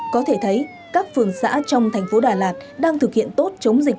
có thể thấy các phường xã trong thành phố đà lạt đang thực hiện tốt chống dịch